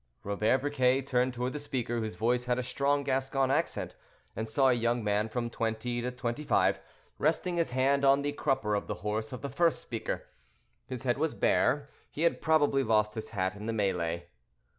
Robert Briquet turned toward the speaker, whose voice had a strong Gascon accent, and saw a young man from twenty to twenty five, resting his hand on the crupper of the horse of the first speaker. His head was bare; he had probably lost his hat in the melée.